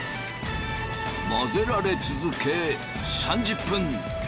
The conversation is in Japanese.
混ぜられ続け３０分。